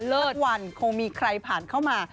สักวันคงมีใครผ่านเข้ามา